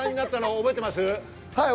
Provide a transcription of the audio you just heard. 覚えてます。